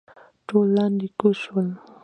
ټول لاندې کوز شول.